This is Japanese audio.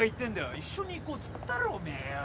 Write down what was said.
一緒に行こうっつったろおめえよ。